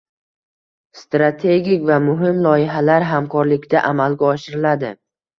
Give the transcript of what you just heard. strategik va muhim loyihalar hamkorlikda amalga oshiriladi.